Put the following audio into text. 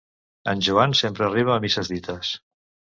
En Joan sempre arriba a misses dites.